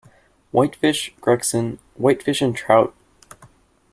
Whitefish, Gregson, whitefish and trout.